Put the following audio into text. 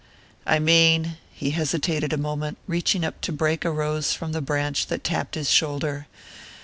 "I mean " He hesitated a moment, reaching up to break a rose from the branch that tapped his shoulder.